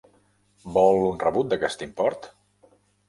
Vol un rebut d'aquest import?